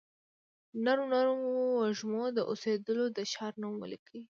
د نرمو نرمو وږمو، د اوسیدولو د ښار نوم ولیکي